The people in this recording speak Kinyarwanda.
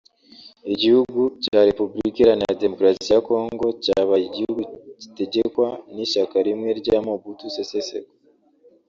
Igihugu cya Repubulika iharanira Demokarasi ya Kongo cyabaye igihugu gitegekwa n’ishyaka rimwe rya Mobutu Sese Seko